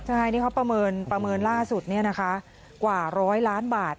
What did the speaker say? ใช่นี่เขาประเมินล่าสุดกว่าร้อยล้านบาท